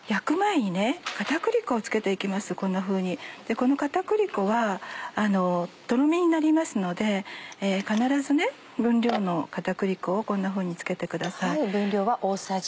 この片栗粉はトロミになりますので必ず分量の片栗粉をこんなふうに付けてください。